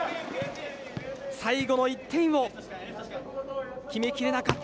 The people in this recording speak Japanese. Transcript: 最後の１点を決めきれなかった。